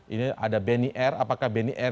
ini ada benny r apakah benny r